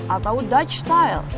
atau dutch style